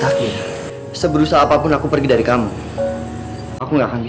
dan aku kaget sed sawadost autant data dengan kamu